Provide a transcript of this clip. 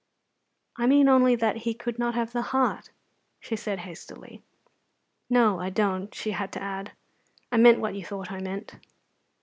"I mean only that He could not have the heart," she said hastily. "No, I don't," she had to add. "I meant what you thought I meant.